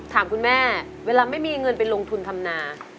ถามคุณแม่เวลาไม่มีเงินไปลงทุนทำนา